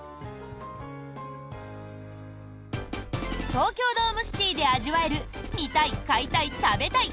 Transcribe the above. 東京ドームシティで味わえる「見たい買いたい食べたい」。